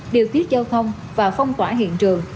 điều tiết giao thông và phong tỏa hiện trường